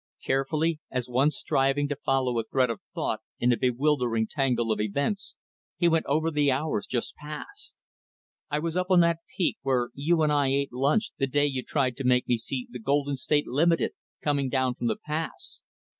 Carefully, as one striving to follow a thread of thought in a bewildering tangle of events, he went over the hours just past. "I was up on that peak where you and I ate lunch the day you tried to make me see the Golden State Limited coming down from the pass.